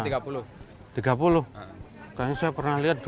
kayaknya saya pernah lihat dua puluh lima deh